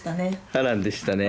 波乱でしたね。